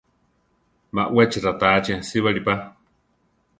Baʼwéchi ratáachi asíbali pa.